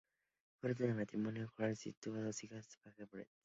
Fruto de este matrimonio, Forsythe tuvo dos hijas Page y Brooke.